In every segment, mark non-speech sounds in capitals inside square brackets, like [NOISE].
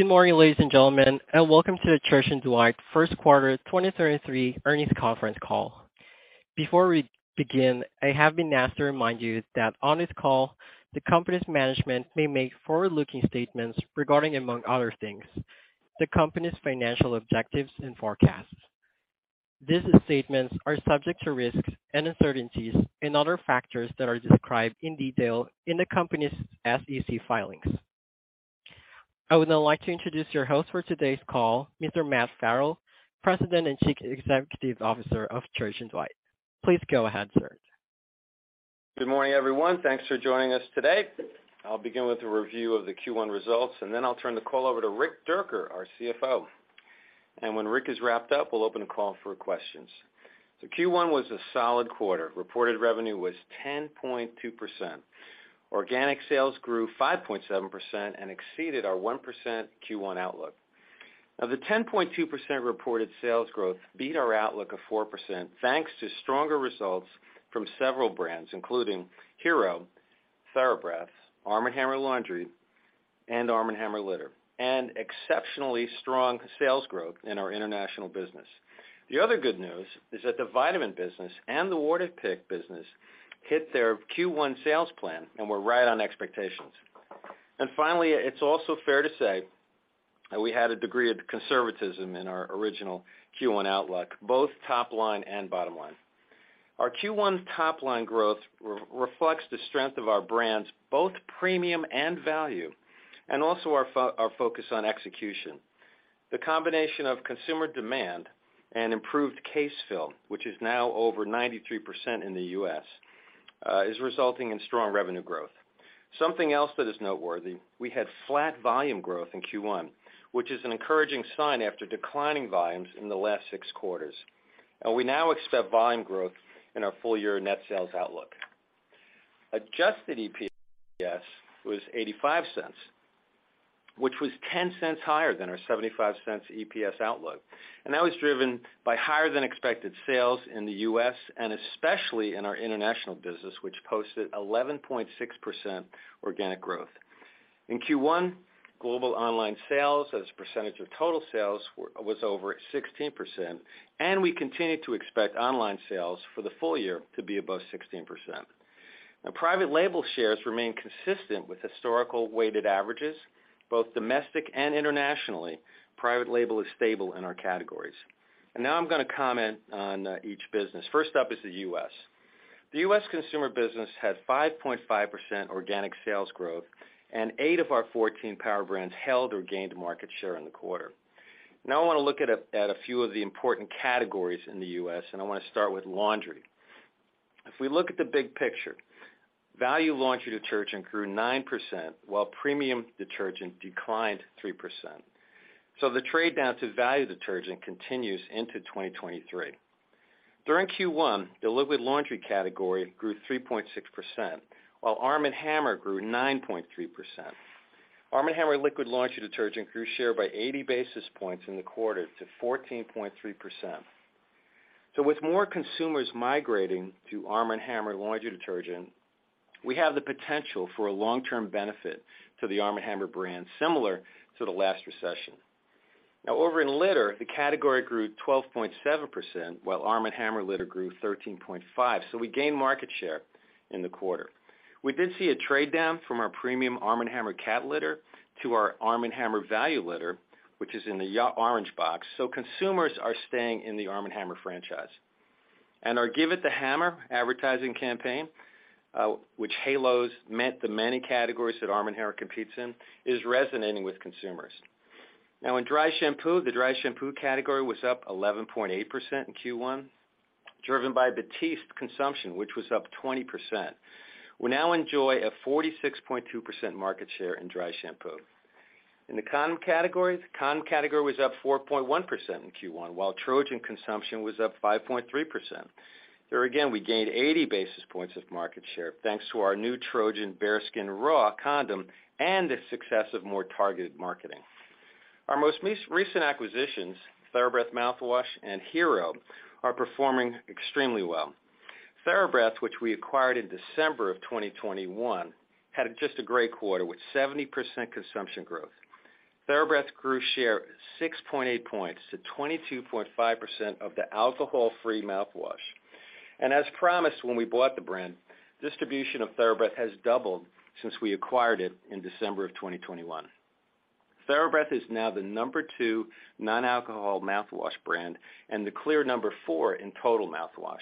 Good morning, ladies and gentlemen, welcome to the Church & Dwight first quarter 2023 earnings conference call. Before we begin, I have been asked to remind you that on this call, the company's management may make forward-looking statements regarding, among other things, the company's financial objectives and forecasts. These statements are subject to risks and uncertainties and other factors that are described in detail in the company's SEC filings. I would now like to introduce your host for today's call, Mr. Matt Farrell, President and Chief Executive Officer of Church & Dwight. Please go ahead, sir. Good morning, everyone. Thanks for joining us today. I'll begin with a review of the Q1 results, and then I'll turn the call over to Rick Dierker, our CFO. When Rick is wrapped up, we'll open the call for questions. Q1 was a solid quarter. Reported revenue was 10.2%. Organic sales grew 5.7% and exceeded our 1% Q1 outlook. Now, the 10.2% reported sales growth beat our outlook of 4%, thanks to stronger results from several brands, including Hero, TheraBreath, Arm & Hammer Laundry, and Arm & Hammer Litter, and exceptionally strong sales growth in our international business. The other good news is that the vitamin business and the Waterpik business hit their Q1 sales plan, and we're right on expectations. Finally, it's also fair to say that we had a degree of conservatism in our original Q1 outlook, both top line and bottom line. Our Q1 top line growth re-reflects the strength of our brands, both premium and value, and also our focus on execution. The combination of consumer demand and improved case fill, which is now over 93% in the US, is resulting in strong revenue growth. Something else that is noteworthy, we had flat volume growth in Q1, which is an encouraging sign after declining volumes in the last six quarters. We now expect volume growth in our full year net sales outlook. Adjusted EPS was $0.85, which was $0.10 higher than our $0.75 EPS outlook. That was driven by higher than expected sales in the U.S. Especially in our international business, which posted 11.6% organic growth. In Q1, global online sales as a percentage of total sales was over 16%. We continue to expect online sales for the full year to be above 16%. Private label shares remain consistent with historical weighted averages, both domestic and internationally. Private label is stable in our categories. Now I'm gonna comment on each business. First up is the U.S. The U.S. consumer business had 5.5% organic sales growth. Eight of our 14 power brands held or gained market share in the quarter. I wanna look at a few of the important categories in the U.S., and I wanna start with laundry. If we look at the big picture, value laundry detergent grew 9%, while premium detergent declined 3%. The trade down to value detergent continues into 2023. During Q1, the liquid laundry category grew 3.6%, while Arm & Hammer grew 9.3%. Arm & Hammer liquid laundry detergent grew share by 80 basis points in the quarter to 14.3%. With more consumers migrating to Arm & Hammer laundry detergent, we have the potential for a long-term benefit to the Arm & Hammer brand, similar to the last recession. Over in litter, the category grew 12.7%, while Arm & Hammer Litter grew 13.5%. We gained market share in the quarter. We did see a trade down from our premium Arm & Hammer cat litter to our Arm & Hammer value litter, which is in the orange box. Consumers are staying in the Arm & Hammer franchise. Our Give It The Hammer advertising campaign, which halos met the many categories that Arm & Hammer competes in, is resonating with consumers. In dry shampoo, the dry shampoo category was up 11.8% in Q1, driven by Batiste consumption, which was up 20%. We now enjoy a 46.2% market share in dry shampoo. In the condom category, the condom category was up 4.1% in Q1, while Trojan consumption was up 5.3%. Here again, we gained 80 basis points of market share, thanks to our new Trojan Bareskin Raw condom and the success of more targeted marketing. Our most recent acquisitions, TheraBreath Mouthwash and Hero, are performing extremely well. TheraBreath, which we acquired in December of 2021, had just a great quarter with 70% consumption growth. TheraBreath grew share 6.8 points to 22.5% of the alcohol-free mouthwash. As promised, when we bought the brand, distribution of TheraBreath has doubled since we acquired it in December of 2021. TheraBreath is now the number two non-alcohol mouthwash brand and the clear number four in total mouthwash.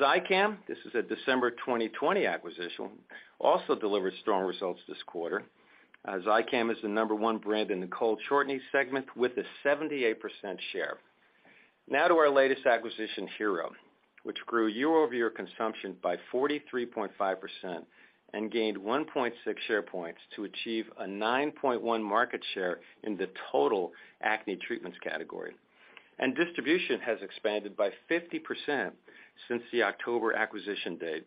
Zicam, this is a December 2020 acquisition, also delivered strong results this quarter. Zicam is the number 1 brand in the cold shortening segment with a 78% share. Now to our latest acquisition, Hero, which grew year-over-year consumption by 43.5% and gained 1.6 share points to achieve a 9.1 market share in the total acne treatments category. Distribution has expanded by 50% since the October acquisition date.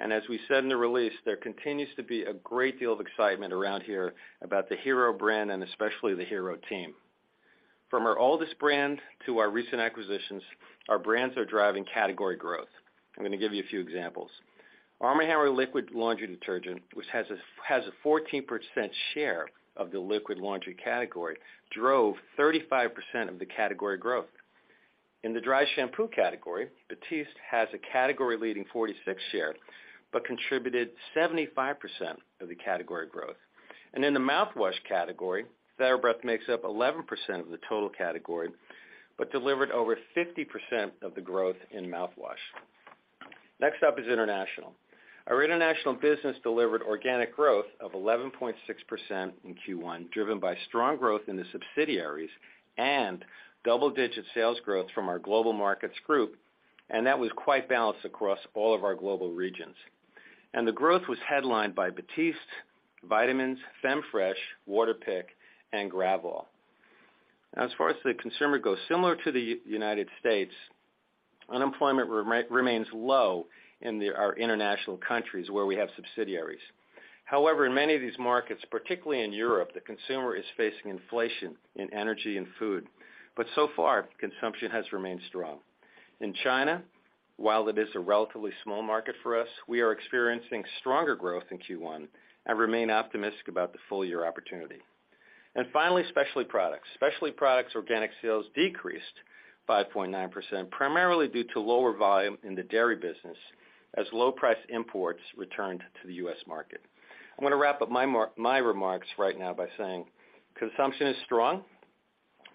As we said in the release, there continues to be a great deal of excitement around here about the Hero brand and especially the Hero team. From our oldest brand to our recent acquisitions, our brands are driving category growth. I'm gonna give you a few examples. Arm & Hammer liquid laundry detergent, which has a 14% share of the liquid laundry category, drove 35% of the category growth. In the dry shampoo category, Batiste has a category leading 46 share, contributed 75% of the category growth. In the mouthwash category, TheraBreath makes up 11% of the total category, but delivered over 50% of the growth in mouthwash. Next up is international. Our international business delivered organic growth of 11.6% in Q1, driven by strong growth in the subsidiaries and double-digit sales growth from our Global Markets Group, and that was quite balanced across all of our global regions. The growth was headlined by Batiste, Vitamins, Femfresh, Waterpik, and Gravol. As far as the consumer goes, similar to the United States, unemployment remains low in our international countries where we have subsidiaries. However, in many of these markets, particularly in Europe, the consumer is facing inflation in energy and food. So far, consumption has remained strong.In China, while it is a relatively small market for us, we are experiencing stronger growth in Q1 and remain optimistic about the full year opportunity. Finally, specialty products. Specialty products organic sales decreased 5.9%, primarily due to lower volume in the dairy business as low price imports returned to the U.S. market. I'm gonna wrap up my remarks right now by saying consumption is strong,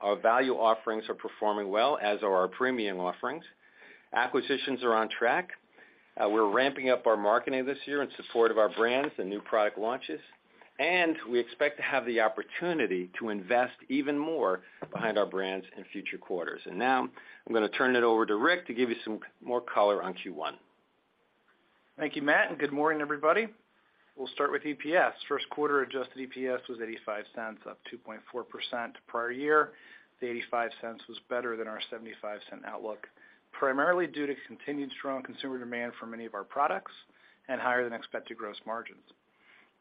our value offerings are performing well, as are our premium offerings. Acquisitions are on track. We're ramping up our marketing this year in support of our brands and new product launches, and we expect to have the opportunity to invest even more behind our brands in future quarters. Now I'm gonna turn it over to Rick to give you some more color on Q1. Thank you, Matt. Good morning, everybody. We'll start with EPS. First quarter adjusted EPS was $0.85, up 2.4% prior year. The $0.85 was better than our $0.75 outlook, primarily due to continued strong consumer demand for many of our products and higher than expected gross margins.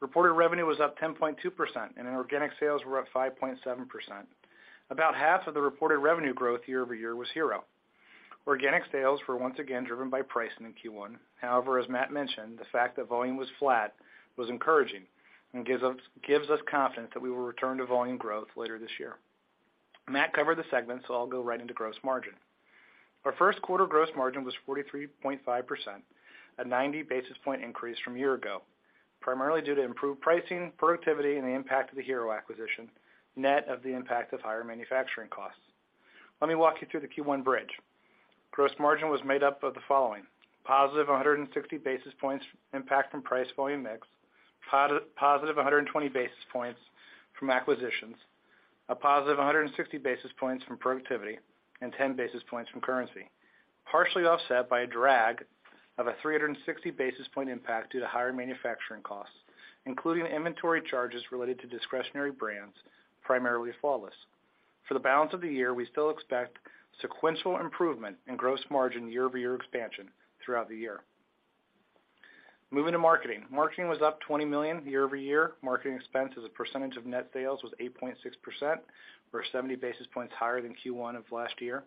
Reported revenue was up 10.2%. Organic sales were up 5.7%. About half of the reported revenue growth year-over-year was Hero. Organic sales were once again driven by pricing in Q1. As Matt mentioned, the fact that volume was flat was encouraging and gives us confidence that we will return to volume growth later this year. Matt covered the segments, I'll go right into gross margin. Our first quarter gross margin was 43.5%, a 90 basis point increase from a year ago, primarily due to improved pricing, productivity, and the impact of the Hero acquisition, net of the impact of higher manufacturing costs. Let me walk you through the Q1 bridge. Gross margin was made up of the following: positive 160 basis points impact from price volume mix, positive 120 basis points from acquisitions, a positive 160 basis points from productivity, and 10 basis points from currency, partially offset by a drag of a 360 basis point impact due to higher manufacturing costs, including inventory charges related to discretionary brands, primarily Flawless. For the balance of the year, we still expect sequential improvement in gross margin year-over-year expansion throughout the year. Moving to marketing. Marketing was up $20 million year-over-year. Marketing expense as a percentage of net sales was 8.6%, or 70 basis points higher than Q1 of last year.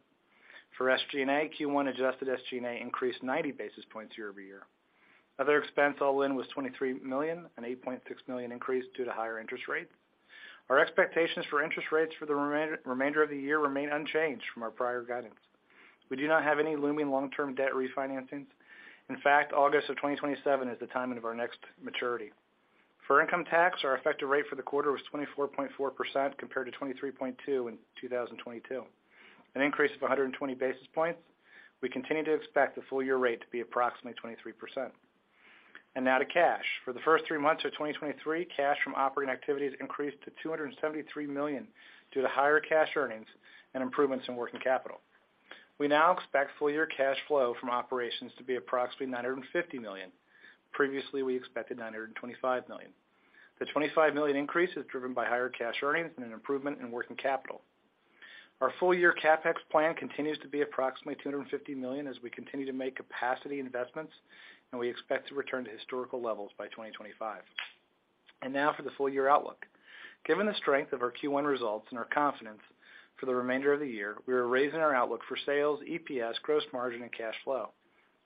For SG&A, Q1 adjusted SG&A increased 90 basis points year-over-year. Other expense all-in was $23 million, an $8.6 million increase due to higher interest rates. Our expectations for interest rates for the remainder of the year remain unchanged from our prior guidance. We do not have any looming long-term debt refinancings. August of 2027 is the timing of our next maturity. For income tax, our effective rate for the quarter was 24.4% compared to 23.2% in 2022, an increase of 120 basis points. We continue to expect the full year rate to be approximately 23%. Now to cash. For the first three months of 2023, cash from operating activities increased to $273 million due to higher cash earnings and improvements in working capital. We now expect full year cash flow from operations to be approximately $950 million. Previously, we expected $925 million. The $25 million increase is driven by higher cash earnings and an improvement in working capital. Our full year CapEx plan continues to be approximately $250 million as we continue to make capacity investments, and we expect to return to historical levels by 2025. Now for the full year outlook. Given the strength of our Q1 results and our confidence for the remainder of the year, we are raising our outlook for sales, EPS, gross margin, and cash flow.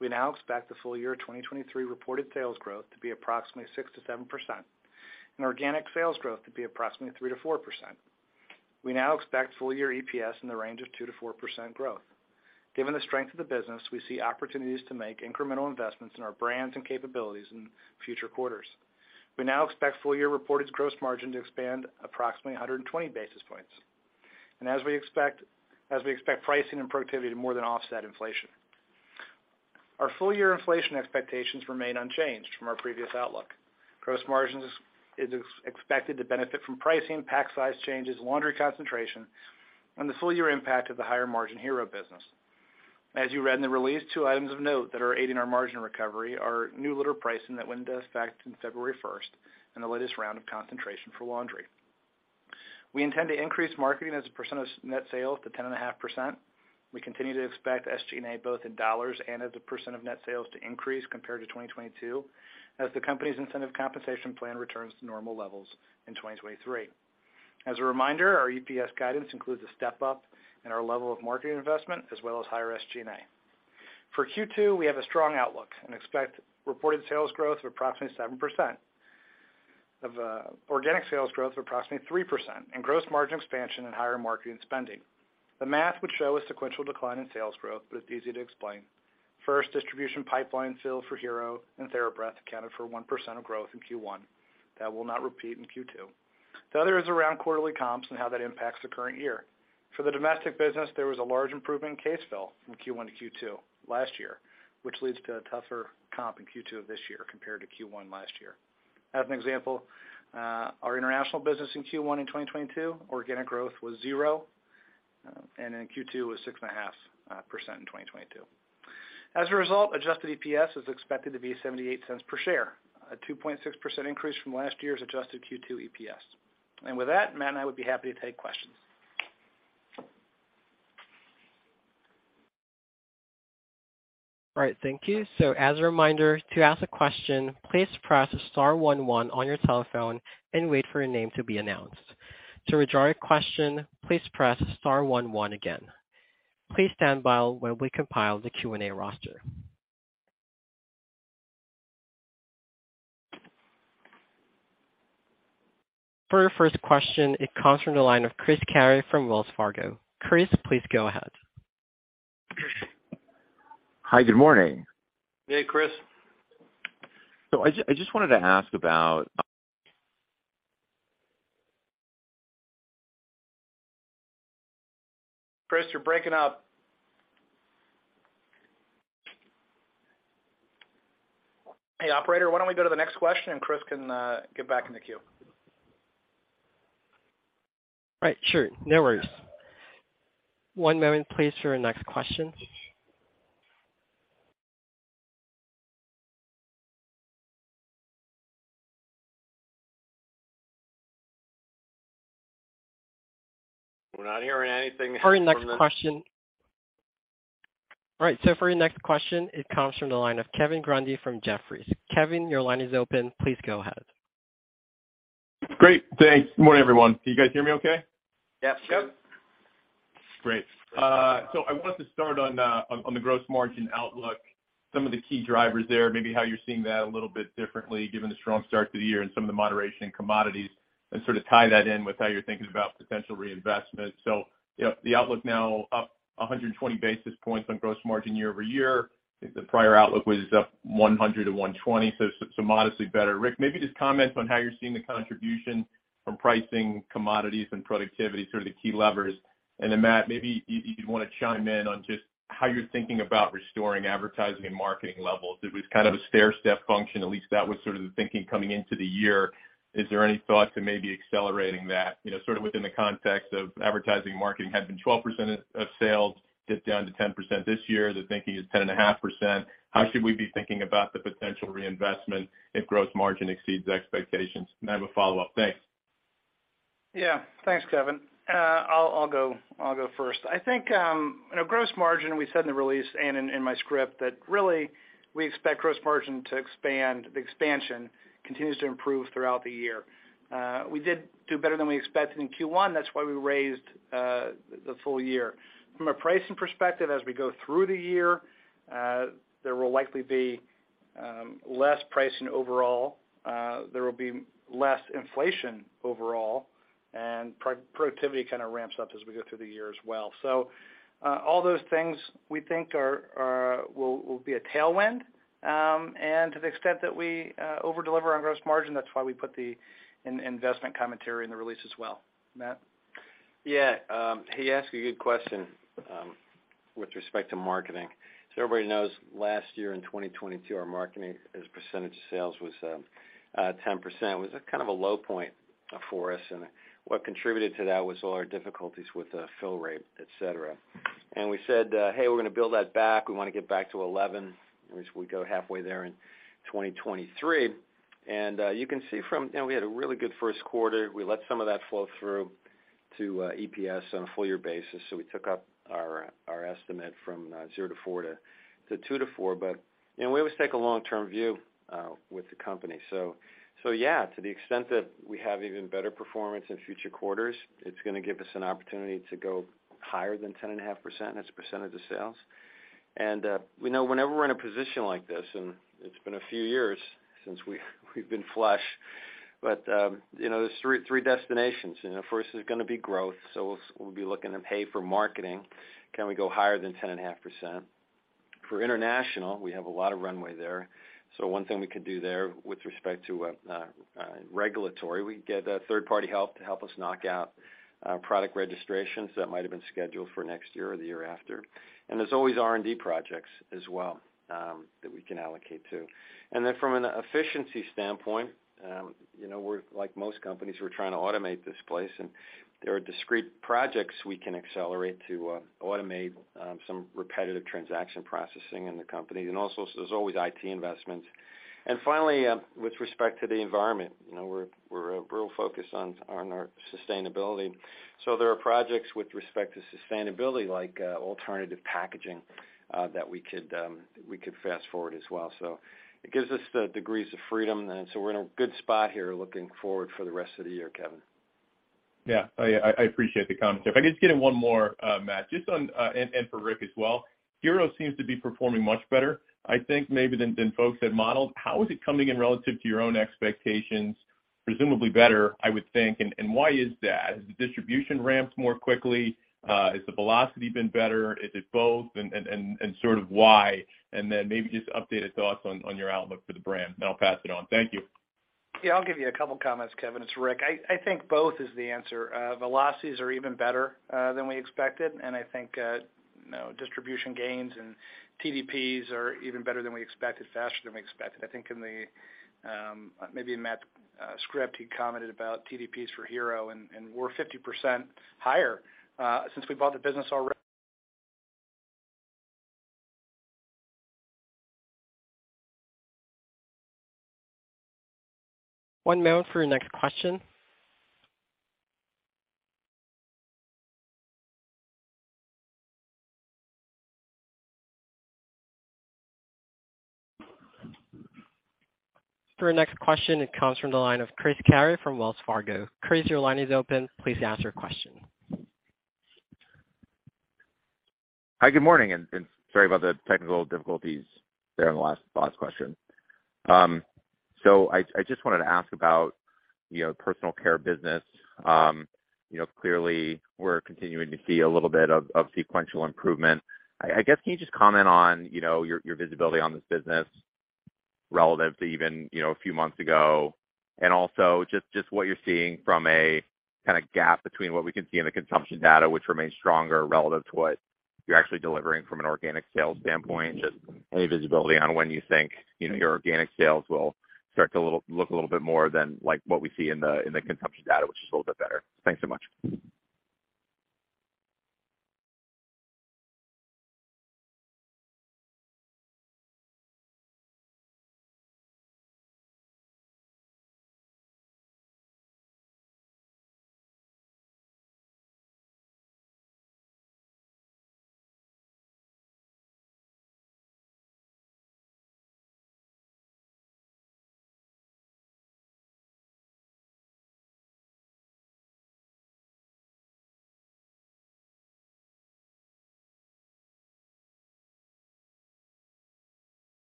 We now expect the full year 2023 reported sales growth to be approximately 6%-7% and organic sales growth to be approximately 3%-4%. We now expect full year EPS in the range of 2%-4% growth. Given the strength of the business, we see opportunities to make incremental investments in our brands and capabilities in future quarters. We now expect full year reported gross margin to expand approximately 120 basis points, and as we expect pricing and productivity to more than offset inflation. Our full year inflation expectations remain unchanged from our previous outlook. Gross margins is expected to benefit from pricing, pack size changes, laundry concentration, and the full year impact of the higher margin Hero business. As you read in the release, two items of note that are aiding our margin recovery are new litter pricing that went into effect in 1 February and the latest round of concentration for laundry. We intend to increase marketing as a percent of net sales to 10.5%. We continue to expect SG&A both in dollars and as a percent of net sales to increase compared to 2022 as the company's incentive compensation plan returns to normal levels in 2023. As a reminder, our EPS guidance includes a step-up in our level of marketing investment as well as higher SG&A. For Q2, we have a strong outlook and expect reported sales growth of approximately 7%, organic sales growth of approximately 3% and gross margin expansion and higher marketing spending. The math would show a sequential decline in sales growth, but it's easy to explain. First, distribution pipeline sales for Hero and TheraBreath accounted for 1% of growth in Q1. That will not repeat in Q2. The other is around quarterly comps and how that impacts the current year. For the domestic business, there was a large improvement in case fill from Q1 to Q2 last year, which leads to a tougher comp in Q2 of this year compared to Q1 last year. As an example, our international business in Q1 in 2022, organic growth was 0, and in Q2 was 6.5% in 2022. As a result, adjusted EPS is expected to be $0.78 per share, a 2.6% increase from last year's adjusted Q2 EPS. With that, Matt and I would be happy to take questions. As a reminder, to ask a question, please press star one one on your telephone and wait for your name to be announced. To withdraw your question, please press star one one again. Please stand by while we compile the Q&A roster. For our first question, it comes from the line of Chris Carey from Wells Fargo. Chris, please go ahead. Hi, good morning. Hey, Chris. I just wanted to ask about. Chris, you're breaking up. Operator, why don't we go to the next question and Chris can get back in the queue. Right. Sure. No worries. One moment please for our next question. We're not hearing anything from the. All right, for our next question, it comes from the line of Kevin Grundy from Jefferies. Kevin, your line is open. Please go ahead. Great. Thanks. Good morning, everyone. Can you guys hear me okay? Yes. Yep. Great. So I wanted to start on the gross margin outlook, some of the key drivers there, maybe how you're seeing that a little bit differently given the strong start to the year and some of the moderation in commodities, and sort of tie that in with how you're thinking about potential reinvestment. You know, the outlook now up 120 basis points on gross margin year-over-year. The prior outlook was up 100 to 120, so modestly better. Rick, maybe just comment on how you're seeing the contribution from pricing, commodities and productivity, sort of the key levers. Then Matt, maybe you'd wanna chime in on just how you're thinking about restoring advertising and marketing levels. It was kind of a stair-step function, at least that was sort of the thinking coming into the year. Is there any thought to maybe accelerating that? You know, sort of within the context of advertising, marketing had been 12% of sales, get down to 10% this year. The thinking is 10.5%. How should we be thinking about the potential reinvestment if gross margin exceeds expectations? I have a follow-up. Thanks. Yeah. Thanks, Kevin. I'll go first. I think, you know, gross margin, we said in the release and in my script that really we expect gross margin to expand. The expansion continues to improve throughout the year. We did do better than we expected in Q1, that's why we raised the full year. From a pricing perspective, as we go through the year, there will likely be less pricing overall. There will be less inflation overall, and productivity kinda ramps up as we go through the year as well. All those things we think are will be a tailwind. To the extent that we over-deliver on gross margin, that's why we put the investment commentary in the release as well. Matt? Yeah. He asked a good question with respect to marketing. Everybody knows last year in 2022, our marketing as a percentage of sales was 10%. It was a kind of a low point for us, and what contributed to that was all our difficulties with the fill rate, et cetera. We said, "Hey, we're gonna build that back. We wanna get back to 11%," which we go halfway there in 2023. You can see from you know, we had a really good first quarter. We let some of that flow through to EPS on a full year basis, so we took up our estimate from $0 to $4 to $2 to $4. You know, we always take a long-term view with the company. Yeah, to the extent that we have even better performance in future quarters, it's gonna give us an opportunity to go higher than 10.5% as a percent of the sales. We know whenever we're in a position like this, and it's been a few years since we've been flush, but, you know, there's three destinations. You know, first there's gonna be growth, so we'll be looking to pay for marketing. Can we go higher than 10.5%? For international, we have a lot of runway there. One thing we could do there with respect to regulatory, we get third-party help to help us knock out product registrations that might have been scheduled for next year or the year after. There's always R&D projects as well that we can allocate to. Then from an efficiency standpoint, you know, we're like most companies, we're trying to automate this place, and there are discrete projects we can accelerate to automate some repetitive transaction processing in the company. Also, there's always IT investments. Finally, with respect to the environment, you know, we're real focused on our sustainability. There are projects with respect to sustainability, like alternative packaging that we could fast-forward as well. It gives us the degrees of freedom, and so we're in a good spot here looking forward for the rest of the year, Kevin. I appreciate the comments. If I could just get in one more, Matt, just on, and for Rick as well. Hero seems to be performing much better, I think maybe than folks had modeled. How is it coming in relative to your own expectations? Presumably better, I would think. Why is that? Has the distribution ramped more quickly? Has the velocity been better? Is it both? Sort of why? Maybe just updated thoughts on your outlook for the brand, and I'll pass it on. Thank you. I'll give you a couple comments, Kevin. It's Rick. I think both is the answer. Velocities are even better than we expected, and I think, you know, distribution gains and TDPs are even better than we expected, faster than we expected. I think Maybe in Matt script, he commented about TDPs for Hero and we're 50% higher since we bought the business already. One moment for your next question. For our next question, it comes from the line of Chris Carey from Wells Fargo. Chris, your line is open. Please ask your question. Hi, good morning, and sorry about the technical difficulties there on the last question. I just wanted to ask about, you know, personal care business. Clearly we're continuing to see a little bit of sequential improvement. I guess, can you just comment on, you know, your visibility on this business relative to even, you know, a few months ago? Also just what you're seeing from a kinda gap between what we can see in the consumption data, which remains stronger relative to what you're actually delivering from an organic sales standpoint. Just any visibility on when you think, you know, your organic sales will start to look a little bit more than like what we see in the consumption data, which is a little bit better. Thanks so much.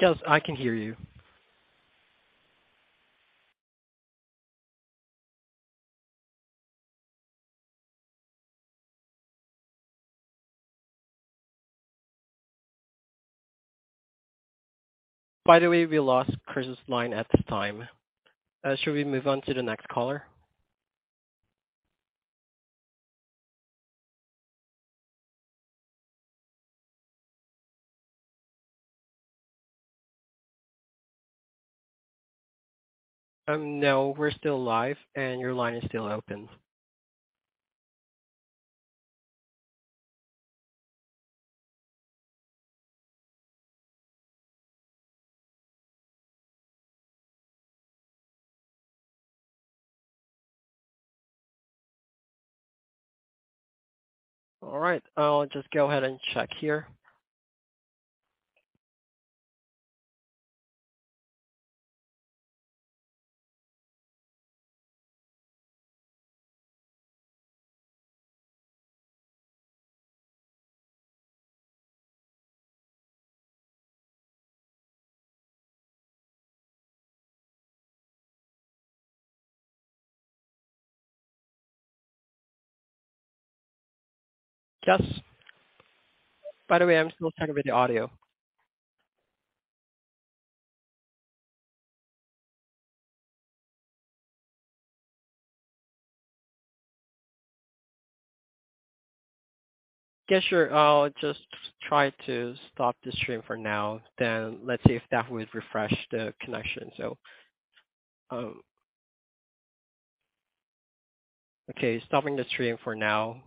Yes, I can hear you. By the way, we lost Chris's line at this time. Should we move on to the next caller? No, we're still live and your line is still open. All right. I'll just go ahead and check here. Yes. By the way, I'm still trying with the audio. Yes, sure. I'll just try to stop the stream for now, let's see if that would refresh the connection. Okay, stopping the stream for now.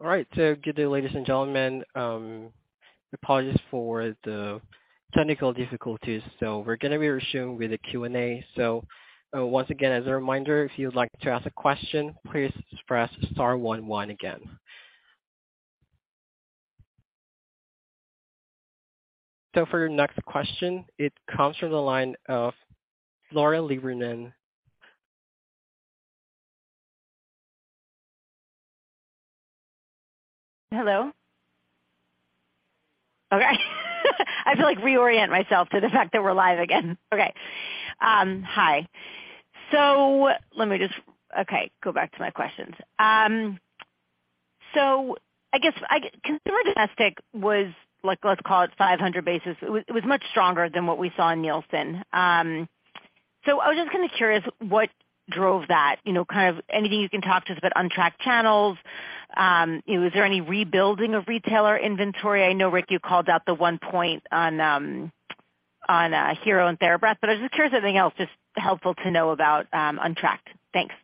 All right. Good day, ladies and gentlemen. Apologies for the technical difficulties. We're gonna be resuming with the Q&A. Once again, as a reminder, if you'd like to ask a question, please press star one one again. For your next question, it comes from the line of Lauren Lieberman. Hello? Okay. I have to, like, reorient myself to the fact that we're live again. Okay. Hi. Let me just. Okay, go back to my questions. I guess consumer domestic was, like, let's call it 500 basis. It was much stronger than what we saw in Nielsen. I was just kinda curious what drove that. You know, kind of anything you can talk to us about untracked channels. You know, is there any rebuilding of retailer inventory? I know, Rick, you called out the 1 point on Hero and TheraBreath. I'm just curious if anything else just helpful to know about untracked. Thanks.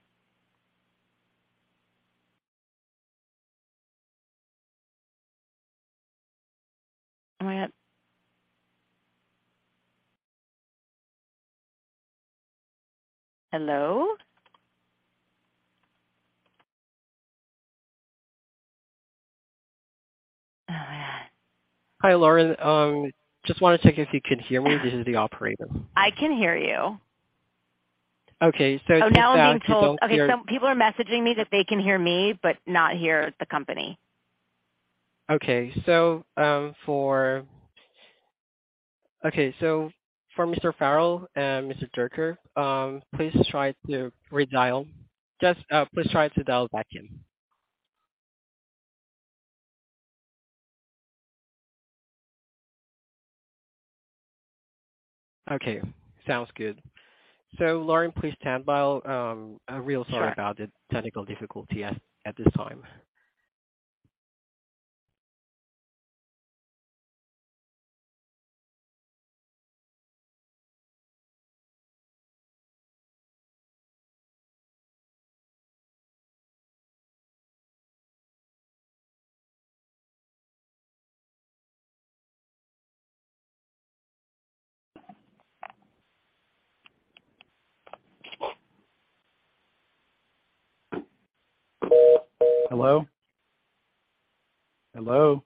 Am I on? Hello? Oh, my God. Hi, Lauren. Just wanna check if you can hear me. This is the operator. I can hear you. Okay. It. [CROSSTALK] Oh, now I'm being told. Okay, some people are messaging me that they can hear me, but not hear the company. Okay. For Mr. Farrell and Mr. Dierker, please try to redial. Please try to dial back in. Okay, sounds good. Lauren, please stand by. I'm really sorry about the technical difficulty at this time. Hello?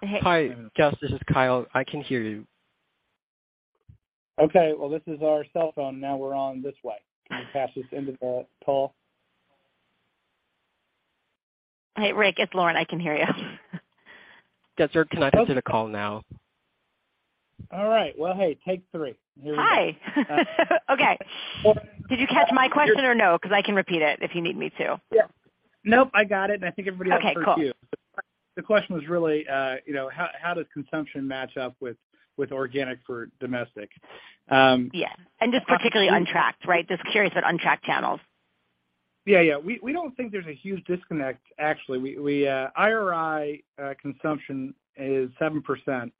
Hello? Hey. Hi, Gus, this is Kyle. I can hear you. This is our cell phone now we're on this way. Can you patch us into the call? Hey, Rick, it's Lauren. I can hear you. Gus, you're connected to the call now. All right. Well, hey, take three. Here we go. Hi. Okay. Did you catch my question or no? 'Cause I can repeat it if you need me to. Yeah. Nope, I got it, and I think everybody else heard you. Okay, cool. The question was really, you know, how does consumption match up with organic for domestic? Yeah. Just particularly untracked, right? Just curious about untracked channels. We don't think there's a huge disconnect actually. We IRI consumption is 7%.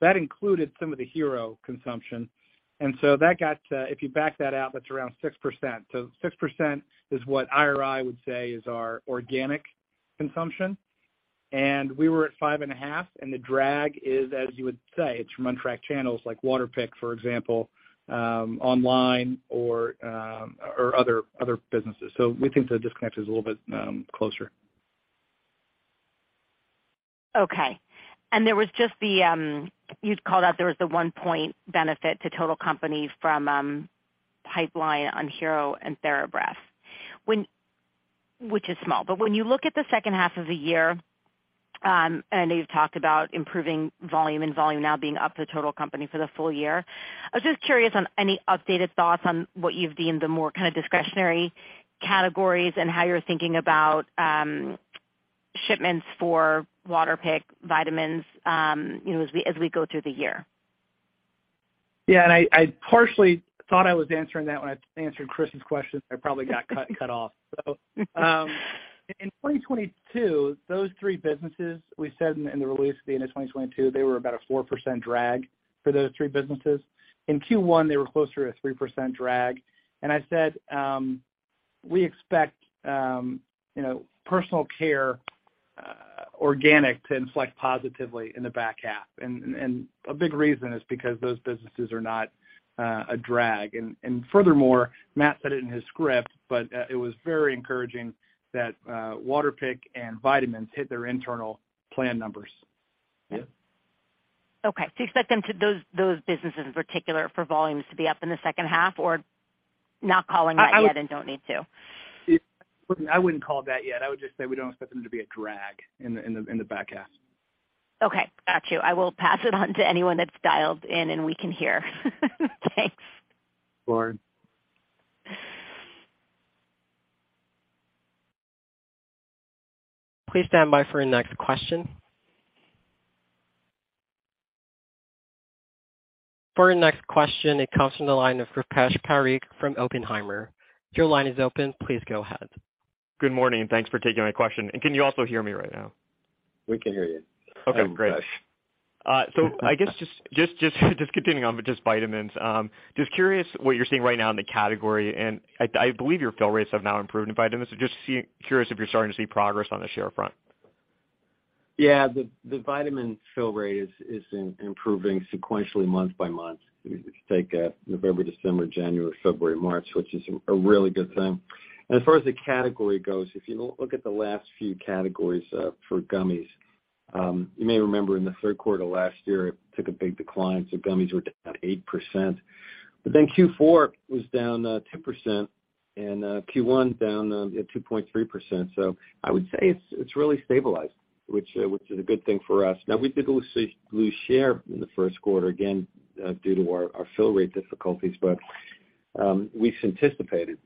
That included some of the Hero consumption, that got if you back that out, that's around 6%. 6% is what IRI would say is our organic consumption. We were at 5.5, and the drag is, as you would say, it's from untracked channels like Waterpik, for example, online or other businesses. We think the disconnect is a little bit closer. Okay. There was just the, you'd called out there was the 1 point benefit to total company from pipeline on Hero and TheraBreath. Which is small, but when you look at the second half of the year, I know you've talked about improving volume and volume now being up to total company for the full year. I was just curious on any updated thoughts on what you've deemed the more kinda discretionary categories and how you're thinking about shipments for Waterpik, vitamins, you know, as we go through the year? Yeah. I partially thought I was answering that when I answered Chris's question. I probably got cut off. In 2022, those three businesses, we said in the release at the end of 2022, they were about a 4% drag for those three businesses. In Q1, they were closer to a 3% drag. I said, We expect, you know, personal care organic to inflect positively in the back half. A big reason is because those businesses are not a drag. Furthermore, Matt said it in his script, but it was very encouraging that Waterpik and vitamins hit their internal plan numbers. Okay. You set them to those businesses in particular for volumes to be up in the second half or not calling that yet and don't need to? I wouldn't call it that yet. I would just say we don't expect them to be a drag in the back half. Okay, got you. I will pass it on to anyone that's dialed in and we can hear. Thanks. Please stand by for your next question. For your next question, it comes from the line of Rupesh Parikh from Oppenheimer. Your line is open. Please go ahead. Good morning, and thanks for taking my question. Can you also hear me right now? We can hear you. Okay, great. I guess just continuing on with just vitamins. Just curious what you're seeing right now in the category? I believe your fill rates have now improved in vitamins. Curious if you're starting to see progress on the share front? Yeah, the vitamin fill rate is improving sequentially month-over-month. If you take November, December, January, February, March, which is a really good thing. As far as the category goes, if you look at the last few categories for gummies, you may remember in the third quarter last year, it took a big decline, so gummies were down 8%. Q4 was down 10% and Q1 down, yeah, 2.3%. I would say it's really stabilized, which is a good thing for us. Now, we did lose share in the first quarter, again, due to our fill rate difficulties. We've anticipated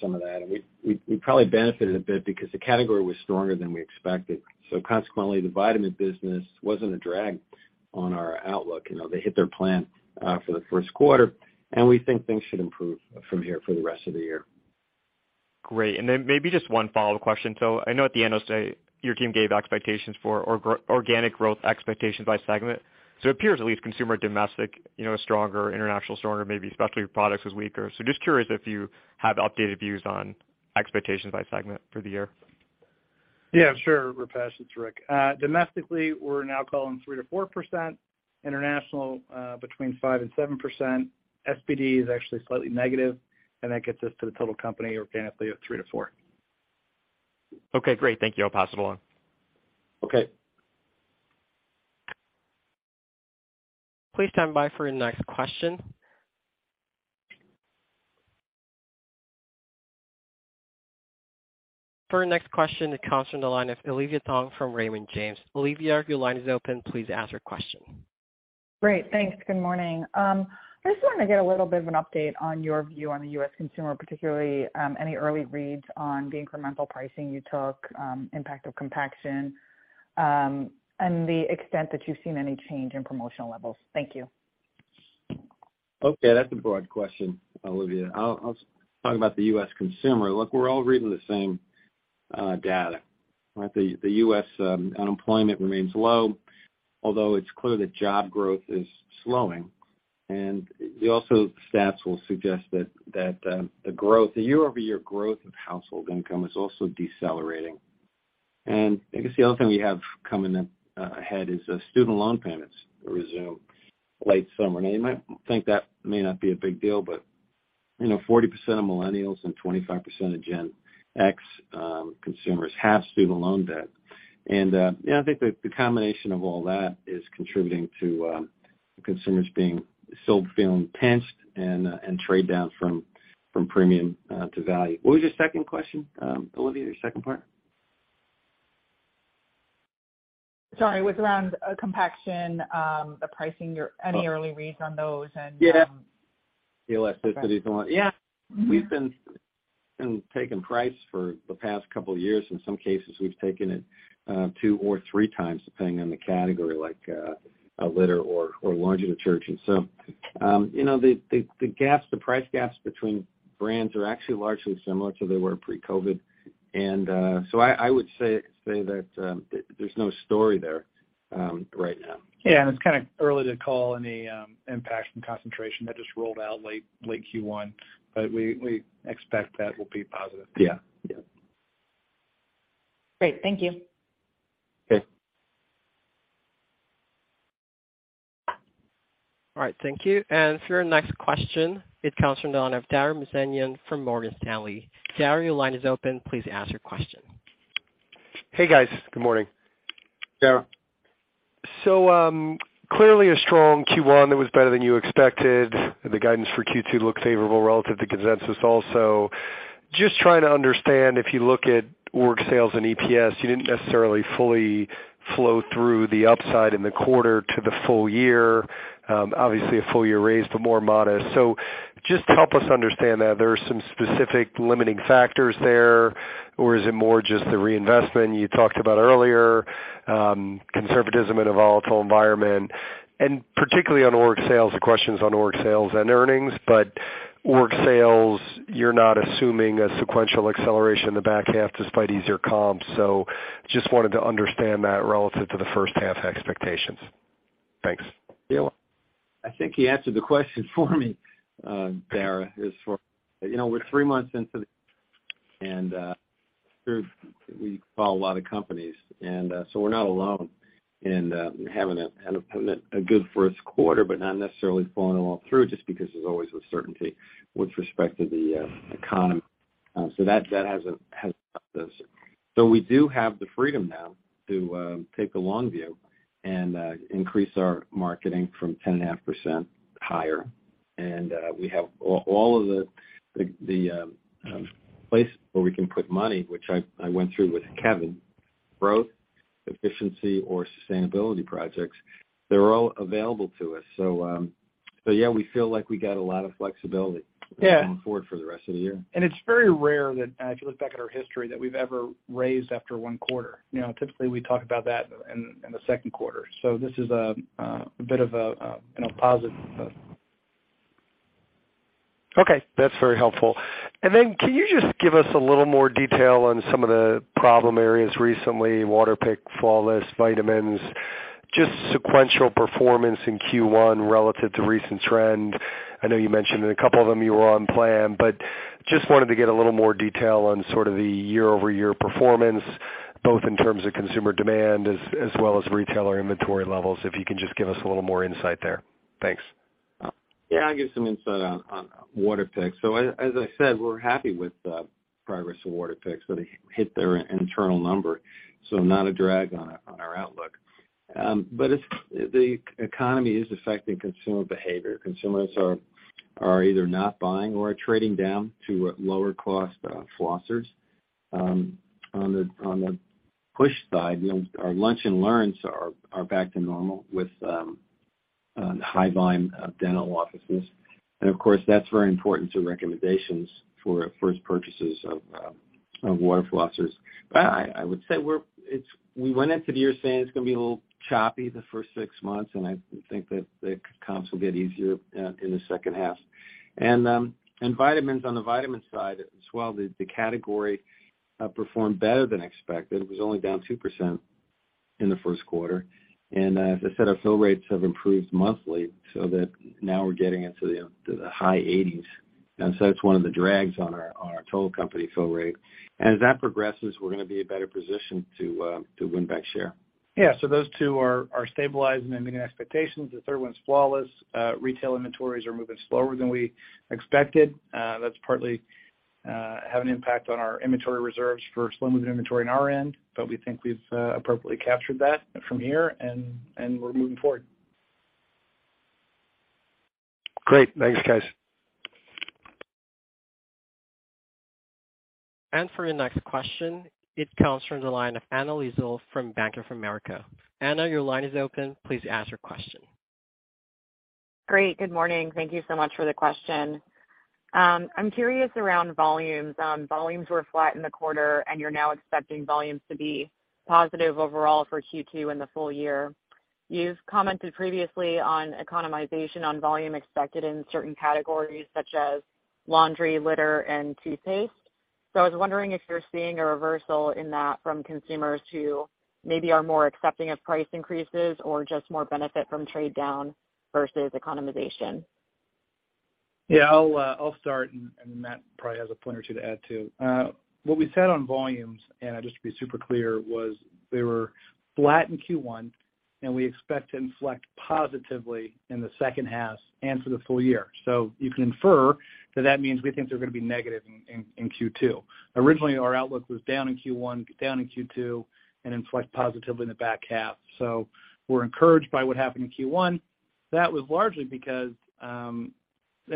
some of that. We probably benefited a bit because the category was stronger than we expected. The vitamin business wasn't a drag on our outlook. You know, they hit their plan for the first quarter, and we think things should improve from here for the rest of the year. Great. Maybe just one follow-up question? I know at the end I'll say your team gave expectations for organic growth expectations by segment. It appears at least consumer domestic, you know, is stronger, international stronger, maybe specialty products was weaker. Just curious if you have updated views on expectations by segment for the year? Yeah, sure, Rupesh. It's Rick. Domestically, we're now calling 3%-4%. International, between 5% and 7%. SPD is actually slightly negative. That gets us to the total company organically at 3%-4%. Okay, great. Thank you. I'll pass this along. Okay. Please stand by for your next question. For our next question, it comes from the line of Olivia Tong from Raymond James. Olivia, your line is open. Please ask your question. Great, thanks. Good morning. I just wanted to get a little bit of an update on your view on the U.S. consumer, particularly, any early reads on the incremental pricing you took, impact of compaction, and the extent that you've seen any change in promotional levels. Thank you. Okay, that's a broad question, Olivia. I'll talk about the U.S. consumer. Look, we're all reading the same data. Right? The U.S. unemployment remains low, although it's clear that job growth is slowing. Stats will suggest that the growth, the year-over-year growth of household income is also decelerating. I guess the other thing we have coming up ahead is student loan payments resume late summer. Now you might think that may not be a big deal, but, you know, 40% of millennials and 25% of Gen X consumers have student loan debt. Yeah, I think the combination of all that is contributing to consumers being still feeling pinched and trade down from premium to value. What was your second question, Olivia, your second part? Sorry. It was around compaction, the pricing, any early reads on those and. Yeah. The elasticity is the one. Yeah, we've been taking price for the past couple of years. In some cases, we've taken it two or three times, depending on the category, like a Litter or laundry detergent. you know, the gaps, the price gaps between brands are actually largely similar to they were pre-COVID. I would say that there's no story there right now. Yeah, it's kind of early to call any impact from concentration that just rolled out late Q1, but we expect that will be positive. Yeah. Yeah. Great. Thank you. Okay. All right. Thank you. For your next question, it comes from the line of Dara Mohsenian from Morgan Stanley. Dara, your line is open. Please ask your question. Hey, guys. Good morning. Dara. Clearly a strong Q1 that was better than you expected. The guidance for Q2 looked favorable relative to consensus also. Just trying to understand if you look at org sales and EPS, you didn't necessarily fully flow through the upside in the quarter to the full year. Obviously a full-year raise, but more modest. Just help us understand that. There are some specific limiting factors there, or is it more just the reinvestment you talked about earlier, conservatism in a volatile environment? Particularly on org sales, the question's on org sales and earnings. Org sales, you're not assuming a sequential acceleration in the back half despite easier comps. Just wanted to understand that relative to the first half expectations. Thanks. Yeah. I think you answered the question for me, Lauren Lieberman. You know, we follow a lot of companies, so we're not alone in having a kind of a good first quarter, but not necessarily following it all through just because there's always a certainty with respect to the economy. That hasn't stopped us. We do have the freedom now to take the long view and increase our marketing from 10.5% higher. We have all of the places where we can put money, which I went through with Kevin Grundy. Growth, efficiency or sustainability projects, they're all available to us. Yeah, we feel like we got a lot of flexibility going forward for the rest of the year. It's very rare that, if you look back at our history, that we've ever raised after one quarter. You know, typically, we talk about that in the second quarter. This is a bit of a, you know, positive. Okay, that's very helpful. Then can you just give us a little more detail on some of the problem areas recently, Waterpik, Flawless, vitamins, just sequential performance in Q1 relative to recent trend? I know you mentioned in a couple of them you were on plan, but just wanted to get a little more detail on sort of the year-over-year performance, both in terms of consumer demand as well as retailer inventory levels, if you can just give us a little more insight there. Thanks. I'll give some insight on Waterpik. As I said, we're happy with the progress of Waterpik. They hit their internal number, not a drag on our outlook. The economy is affecting consumer behavior. Consumers are either not buying or are trading down to lower cost flossers. On the push side, you know, our lunch and learns are back to normal with high volume of dental offices. Of course, that's very important to recommendations for first purchases of water flossers. I would say we went into the year saying it's gonna be a little choppy the first six months, and I think that the comps will get easier in the second half. Vitamins, on the vitamin side as well, the category performed better than expected. It was only down 2% in the 1st quarter. As I said, our fill rates have improved monthly, so that now we're getting into the high 80s. That's one of the drags on our total company fill rate. As that progresses, we're gonna be in better position to win back share. Yeah. Those two are stabilizing and meeting expectations. The third one's Flawless. Retail inventories are moving slower than we expected. That's partly have an impact on our inventory reserves for slow-moving inventory on our end, but we think we've appropriately captured that from here, and we're moving forward. Great. Thanks, guys. For your next question, it comes from the line of Anna Lizzul from Bank of America. Anna, your line is open. Please ask your question. Great. Good morning. Thank you so much for the question. I'm curious around volumes. Volumes were flat in the quarter. You're now expecting volumes to be positive overall for Q2 in the full year. You've commented previously on economization on volume expected in certain categories, such as laundry, litter and toothpaste. I was wondering if you're seeing a reversal in that from consumers who maybe are more accepting of price increases or just more benefit from trade down versus economization. I'll start and Matt probably has a point or two to add, too. What we said on volumes, and just to be super clear, was we were flat in Q1, and we expect to inflect positively in the second half and for the full year. You can infer that that means we think they're gonna be negative in Q2. Originally, our outlook was down in Q1, down in Q2, and inflect positively in the back half. We're encouraged by what happened in Q1. That was largely because, you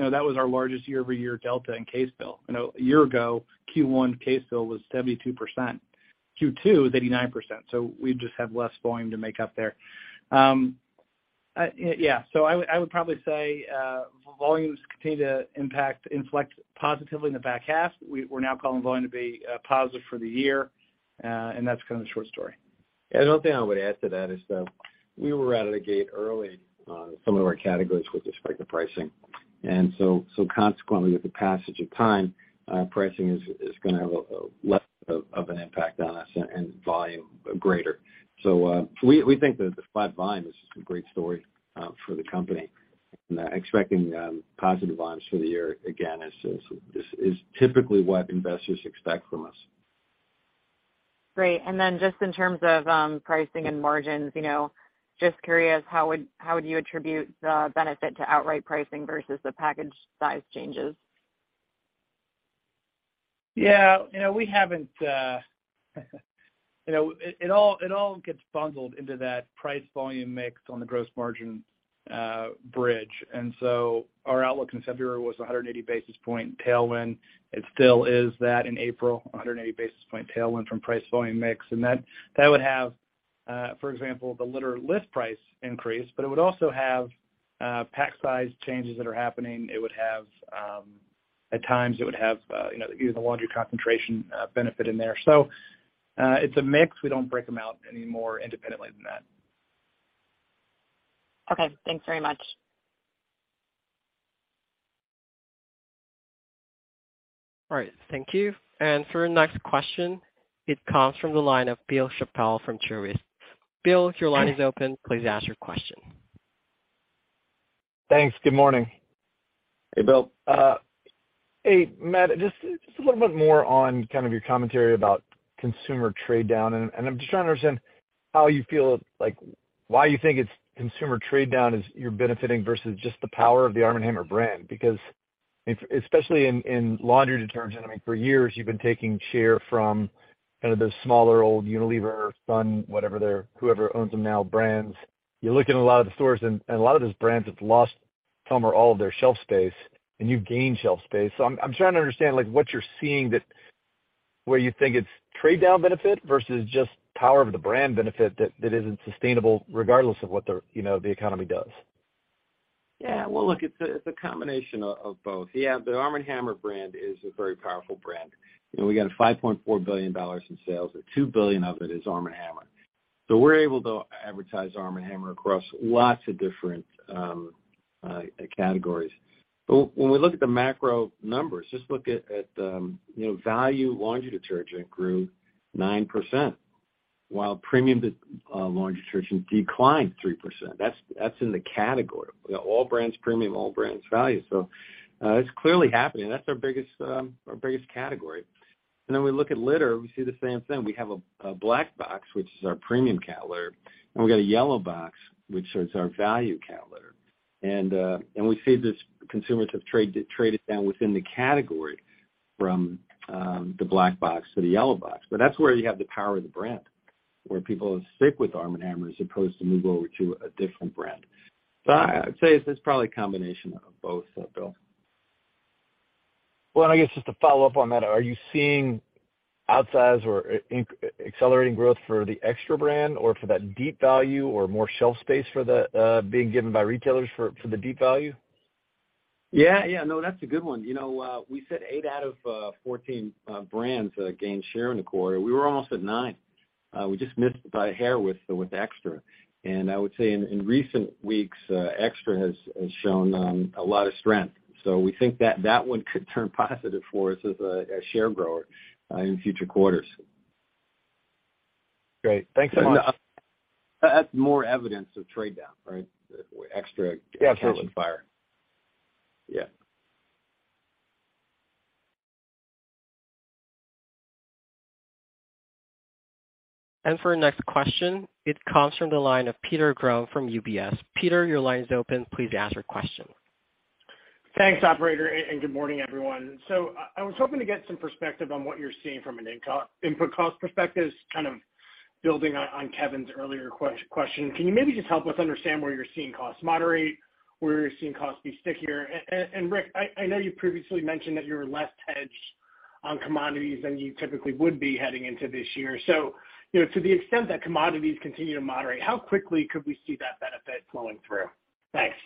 know, that was our largest year-over-year delta in case fill. You know, a year ago, Q1 case fill was 72%. Q2 was 89%, we just have less volume to make up there. Yeah, I would probably say, volumes continue to impact, inflect positively in the back half. We're now calling volume to be positive for the year, that's kind of the short story. Yeah. The only thing I would add to that is that we were out of the gate early in some of our categories with respect to pricing. Consequently with the passage of time, pricing is gonna have a less of an impact on us and volume greater. We think that the flat volume is a great story for the company. Expecting positive volumes for the year, again, is typically what investors expect from us. Great. Just in terms of pricing and margins, you know, just curious, how would you attribute the benefit to outright pricing versus the package size changes? Yeah. You know, we haven't. It all gets bundled into that price volume mix on the gross margin bridge. Our outlook in February was 180 basis point tailwind. It still is that in April, 180 basis point tailwind from price volume mix. That would have, for example, the litter list price increase, but it would also have pack size changes that are happening. It would have, at times, it would have, you know, the laundry concentration benefit in there. It's a mix. We don't break them out any more independently than that. Okay. Thanks very much. All right. Thank you. For our next question, it comes from the line of Bill Chappell from Truist. Bill, your line is open. Please ask your question. Thanks. Good morning. Hey, Bill. Hey, Matt just a little bit more on kind of your commentary about consumer trade down, and I'm just trying to understand how you feel like why you think it's consumer trade down is you're benefiting versus just the power of the Arm & Hammer brand. Especially in laundry detergent, I mean, for years you've been taking share from kind of the smaller, old Unilever, Sun, whoever owns them now brands. You look in a lot of the stores and a lot of those brands have lost some or all of their shelf space, and you've gained shelf space. I'm trying to understand, like, what you're seeing that where you think it's trade down benefit versus just power of the brand benefit that isn't sustainable regardless of what the, you know, the economy does. Yeah. Well, look, it's a, it's a combination of both. Yeah, the Arm & Hammer brand is a very powerful brand, and we got $5.4 billion in sales. The $2 billion of it is Arm & Hammer. We're able to advertise Arm & Hammer across lots of different categories. When we look at the macro numbers, just look at, you know, value laundry detergent grew 9%, while premium laundry detergent declined 3%. That's in the category. We got all brands premium, all brands value. It's clearly happening. That's our biggest category. We look at litter, we see the same thing. We have a black box, which is our premium cat litter, and we got a yellow box, which is our value cat litter. We see this, and consumers have traded down within the category from the black box to the yellow box. That's where you have the power of the brand, where people stick with Arm & Hammer as opposed to move over to a different brand. I'd say it's probably a combination of both, Bill. I guess just to follow up on that, are you seeing outsize or accelerating growth for the XTRA brand or for that deep value or more shelf space for the being given by retailers for the deep value? Yeah. Yeah. That's a good one. You know, we said eight out of 14 brands gained share in the quarter. We were almost at nine. We just missed it by a hair with XTRA. I would say in recent weeks, XTRA has shown a lot of strength. We think that that one could turn positive for us as a share grower in future quarters. Great. Thanks so much. That's more evidence of trade down, right? XTRA catching fire. Yeah. Absolutely. Yeah. For our next question, it comes from the line of Peter Grom from UBS. Peter, your line is open. Please ask your question. Thanks, operator, and good morning, everyone. I was hoping to get some perspective on what you're seeing from an input cost perspective, kind of building on Kevin's earlier question. Can you maybe just help us understand where you're seeing costs moderate, where you're seeing costs be stickier? Rick, I know you previously mentioned that you're less hedged on commodities than you typically would be heading into this year. You know, to the extent that commodities continue to moderate, how quickly could we see that benefit flowing through? Thanks.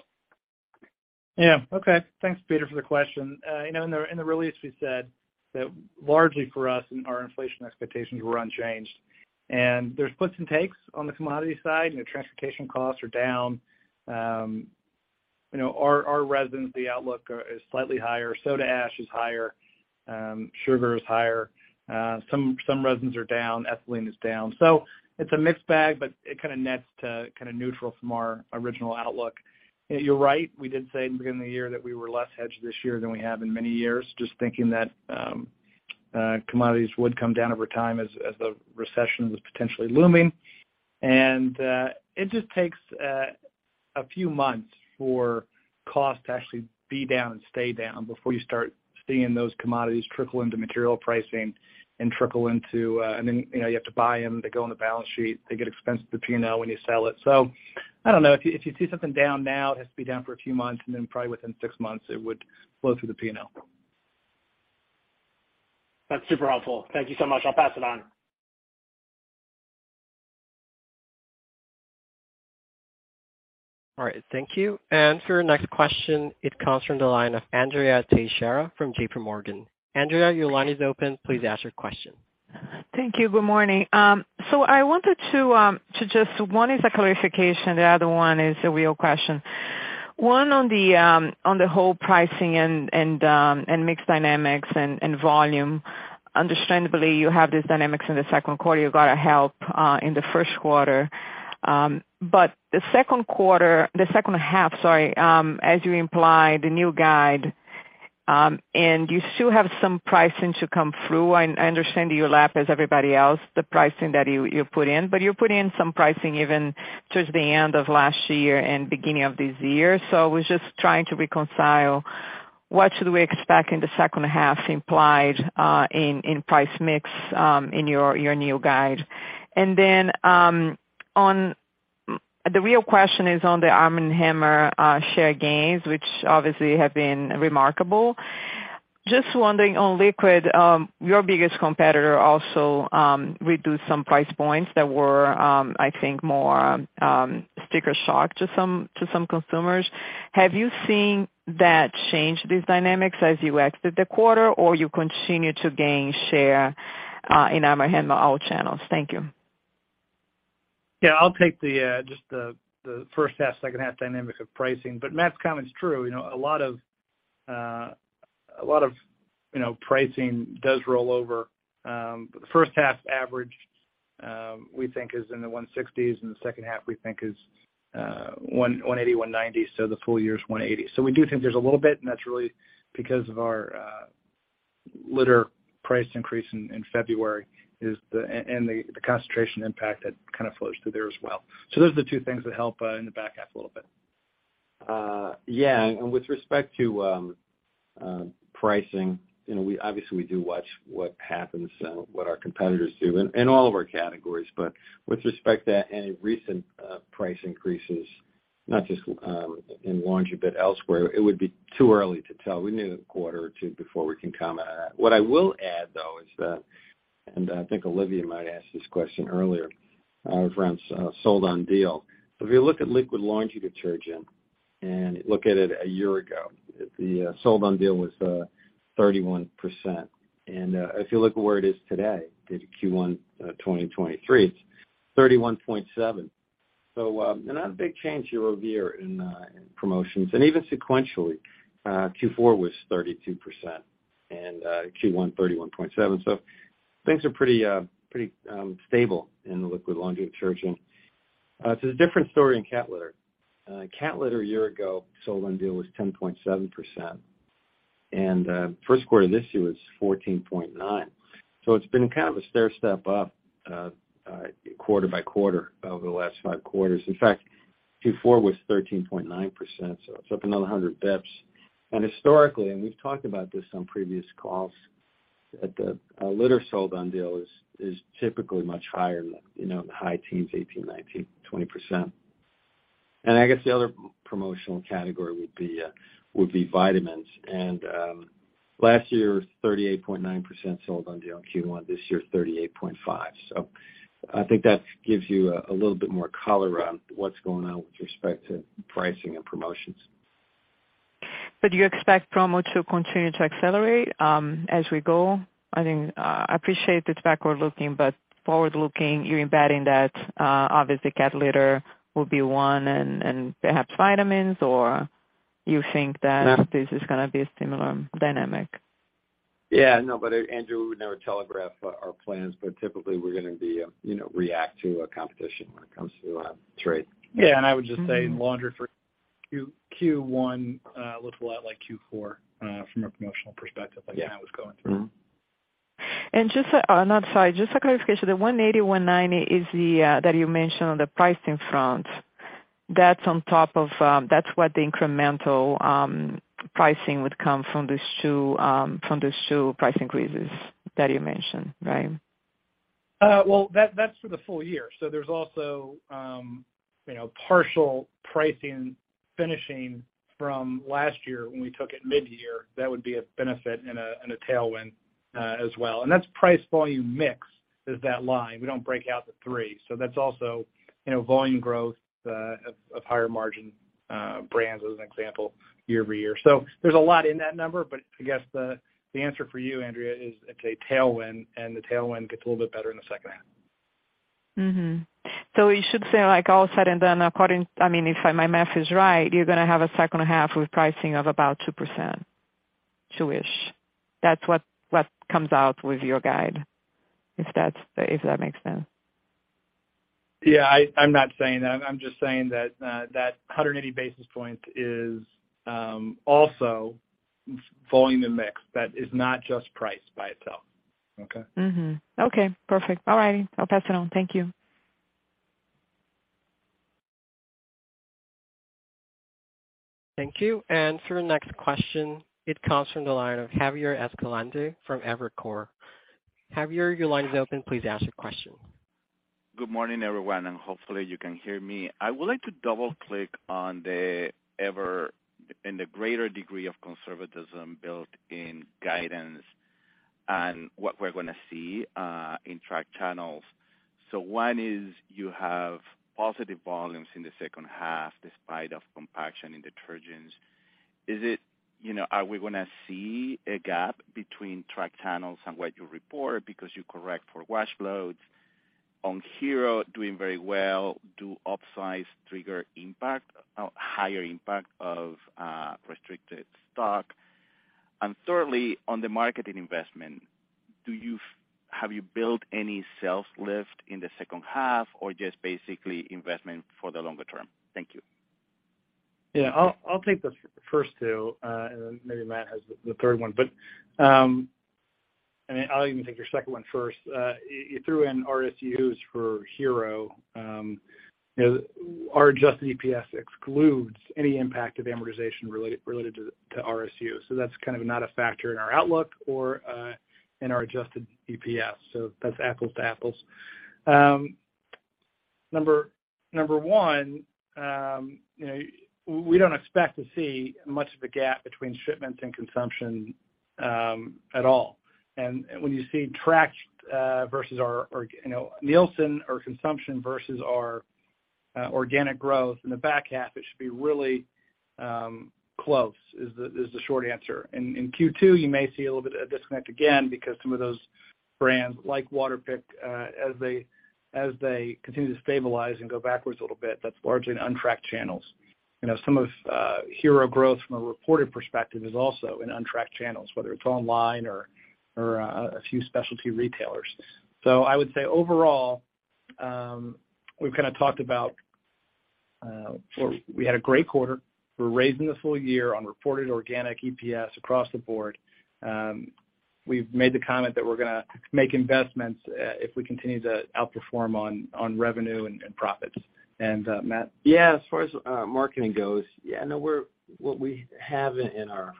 Yeah. Okay. Thanks, Peter, for the question. You know, in the release, we said that largely for us and our inflation expectations were unchanged. There's puts and takes on the commodity side, and the transportation costs are down. You know, our resins, the outlook is slightly higher. Soda ash is higher. Sugar is higher. Some resins are down. Ethylene is down. It's a mixed bag, but it kinda nets to kinda neutral from our original outlook. You're right, we did say in the beginning of the year that we were less hedged this year than we have in many years, just thinking that commodities would come down over time as the recession was potentially looming. It just takes a few months for cost to actually be down and stay down before you start seeing those commodities trickle into material pricing and trickle into, I mean you know, you have to buy them, they go on the balance sheet, they get expensed to the P&L when you sell it. I don't know. If you see something down now, it has to be down for a few months, and then probably within six months, it would flow through the P&L. That's super helpful. Thank you so much. I'll pass it on. All right. Thank you. For our next question, it comes from the line of Andrea Teixeira from JPMorgan. Andrea, your line is open. Please ask your question. Thank you. Good morning. I wanted to just one is a clarification, the other one is a real question. One on the whole pricing and mix dynamics and volume. Understandably, you have these dynamics in the second quarter, you got a help in the first quarter. The second half, sorry, as you implied, the new guide, and you still have some pricing to come through. I understand you lap as everybody else the pricing that you put in, but you put in some pricing even towards the end of last year and beginning of this year. I was just trying to reconcile what should we expect in the second half implied in price mix in your new guide. Then, The real question is on the Arm & Hammer share gains, which obviously have been remarkable. Just wondering on liquid, your biggest competitor also reduced some price points that were I think more sticker shock to some, to some consumers. Have you seen that change these dynamics as you exit the quarter, or you continue to gain share in Arm & Hammer all channels? Thank you. I'll take the just the first half, second half dynamics of pricing. Matt's comment is true. You know, a lot of, a lot of, you know, pricing does roll over. The first half average, we think is in the 160s, and the second half we think is 180, 190, so the full year is 180. We do think there's a little bit, and that's really because of our litter price increase in February is the and the concentration impact that kind of flows through there as well. Those are the two things that help in the back half a little bit. Yeah. With respect to pricing, you know, we obviously we do watch what happens what our competitors do in all of our categories. With respect to any recent price increases, not just in laundry, but elsewhere, it would be too early to tell. We need a quarter or two before we can comment on that. What I will add, though, is that, and I think Olivia might ask this question earlier, around sold on deal. If you look at liquid laundry detergent and look at it a year ago, the sold on deal was 31%. If you look at where it is today, the Q1 2023, it's 31.7%. Not a big change year over year in promotions. Even sequentially, Q4 was 32%, and Q1, 31.7%. Things are pretty stable in the liquid laundry detergent. It's a different story in cat litter. Cat litter a year ago, sold on deal was 10.7%. First quarter of this year was 14.9%. It's been kind of a stairstep up, quarter by quarter over the last five quarters. In fact, Q4 was 13.9%, so it's up another 100 basis points. Historically, and we've talked about this on previous calls, that the litter sold on deal is typically much higher than, you know, the high teens, 18%, 19%, 20%. I guess the other promotional category would be vitamins. Last year was 38.9% sold on deal Q1. This year, 38.5%. I think that gives you a little bit more color on what's going on with respect to pricing and promotions. Do you expect promo to continue to accelerate as we go? I appreciate it's backward-looking, but forward-looking, you're embedding that obviously cat litter will be one and perhaps vitamins, or you think that this is gonna be a similar dynamic? Yeah. No, Andrea, we would never telegraph our plans, but typically we're gonna be, you know, react to a competition when it comes to, trade. Yeah, I would just say laundry for Q1 looked a lot like Q4 from a promotional perspective, like Matt was going through. No, sorry, just a clarification. The 180, 190 is the that you mentioned on the pricing front. That's on top of, that's what the incremental pricing would come from these two, from these two price increases that you mentioned, right? Well, that's for the full year, so there's also, you know, partial pricing finishing from last year when we took it mid-year. That would be a benefit and a tailwind as well. That's price volume mix is that line. We don't break out the three. That's also, you know, volume growth of higher margin brands as an example year-over-year. There's a lot in that number, but I guess the answer for you, Andrea, is it's a tailwind and the tailwind gets a little bit better in the second half. Mm-hmm. You should say like all said and done, I mean, if I, my math is right, you're gonna have a second half with pricing of about 2% two-ish. That's what comes out with your guide, if that's, if that makes sense. Yeah, I'm not saying that. I'm just saying that 180 basis points is also volume and mix. That is not just price by itself. Okay? Okay, perfect. All right. I'll pass it on. Thank you. Thank you. For the next question, it comes from the line of Javier Escalante from Evercore. Javier, your line is open. Please ask your question. Good morning, everyone, hopefully you can hear me. I would like to double-click on the overall and the greater degree of conservatism built in guidance and what we're going to see in track channels. One is you have positive volumes in the second half despite of compaction in detergents. Is it, you know, are we going to see a gap between track channels and what you report because you correct for wash loads? On Hero doing very well, do upsize trigger impact, higher impact of restricted stock? Thirdly, on the marketing investment, have you built any sales lift in the second half or just basically investment for the longer term? Thank you. Yeah. I'll take the first two, and then maybe Matt has the third one. I mean, I'll even take your second one first. You threw in RSUs for Hero. You know, our adjusted EPS excludes any impact of amortization related to RSU. That's kind of not a factor in our outlook or in our adjusted EPS. That's apples to apples. Number one, you know, we don't expect to see much of a gap between shipments and consumption at all. When you see tracked versus our, you know, Nielsen or consumption versus our organic growth in the back half, it should be really close, is the short answer. In Q2, you may see a little bit of a disconnect again because some of those brands like Waterpik, as they continue to stabilize and go backwards a little bit, that's largely in untracked channels. You know, some of Hero growth from a reported perspective is also in untracked channels, whether it's online or, a few specialty retailers. I would say overall, we've kinda talked about, or we had a great quarter. We're raising the full year on reported organic EPS across the board. We've made the comment that we're gonna make investments, if we continue to outperform on revenue and profits. Matt? Yeah, as far as marketing goes, yeah, no, what we have in our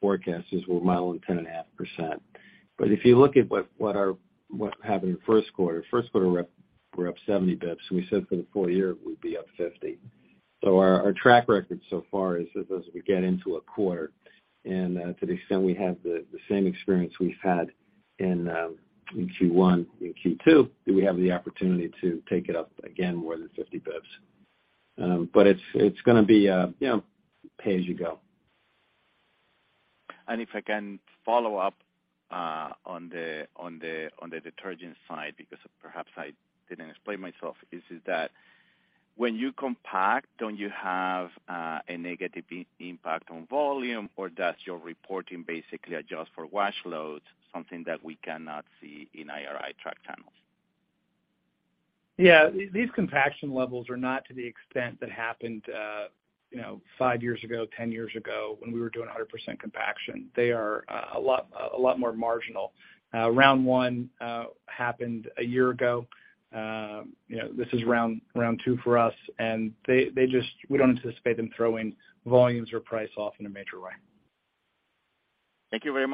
forecast is we're modeling 10.5%. If you look at what happened in the first quarter, first quarter, we're up 70 basis points, and we said for the full year we'd be up 50. Our track record so far is as we get into a quarter, and to the extent we have the same experience we've had in Q1 and Q2, then we have the opportunity to take it up again more than 50 basis points. It's, it's gonna be, you know, pay as you go. If I can follow up, on the detergent side, because perhaps I didn't explain myself, is that when you compact, don't you have a negative impact on volume, or does your reporting basically adjust for wash loads, something that we cannot see in IRI track channels? These compaction levels are not to the extent that happened, you know, five years ago, 10 years ago, when we were doing 100% compaction. They are a lot more marginal. Round one happened a year ago. You know, this is round two for us, and they just we don't anticipate them throwing volumes or price off in a major way. Thank you very much.